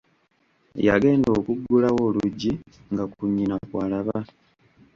Yagenda okugulawo oluggi nga ku nnyina kw'alaba.